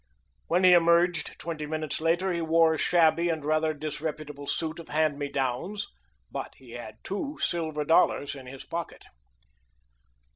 When he emerged twenty minutes later he wore a shabby and rather disreputable suit of hand me downs, but he had two silver dollars in his pocket.